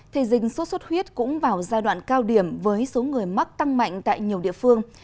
thì dịch sốt xuất huyết cũng vào giai đoạn cao điểm với số người mắc tăng mạnh tại nhiều địa phương